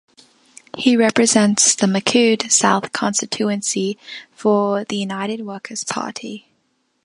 He represents the Micoud South constituency for the United Workers' Party.